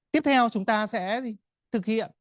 tiếp theo chúng ta sẽ thực hiện